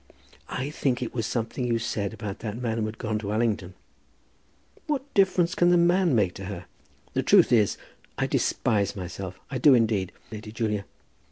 "I think it was something you said about that man who has gone to Allington." "What difference can the man make to her? The truth is, I despise myself; I do indeed, Lady Julia.